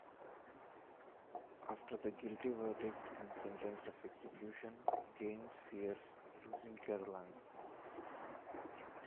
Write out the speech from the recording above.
After the guilty verdict and sentence of execution, Gaines fears losing Caroline.